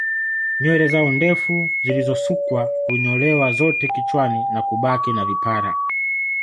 Nywele zao ndefu zilizosukwa hunyolewa zote kichani na kubaki na vipara